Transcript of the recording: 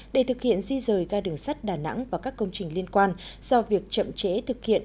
để thực hiện di rời ga đường sắt đà nẵng và các công trình liên quan do việc chậm trễ thực hiện